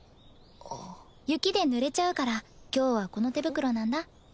雪でぬれちゃうから今日はこの手袋なんだ。